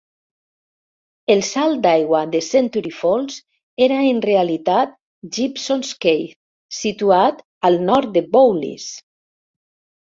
El salt d'aigua de Century Falls era en realitat Gibson's Cave, situat al nord de Bowlees.